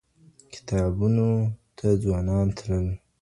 کتابتونونو ته ځوانان تلل.